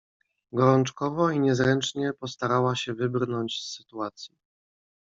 "Gorączkowo i niezręcznie postarała się wybrnąć z sytuacji."